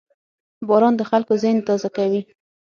• باران د خلکو ذهن تازه کوي.